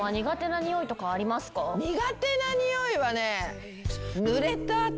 苦手な匂いはね。